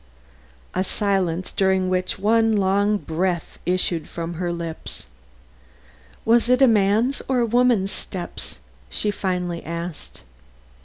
A silence, during which one long breath issued from her lips. "Was it a man's or woman's steps?" she finally asked.